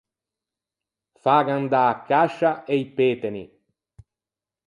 Fâghe andâ a cascia e i peteni.